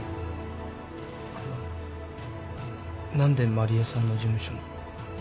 何で麻理恵さんの事務所に。